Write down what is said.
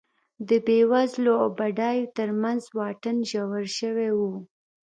د بېوزلو او بډایو ترمنځ واټن ژور شوی و